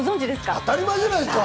当たり前じゃないですか！